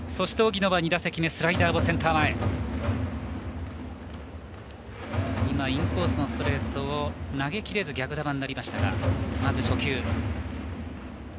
荻野は２打席目スライダーをセンター前インコースのストレートを投げきれず逆球になりましたがまず初球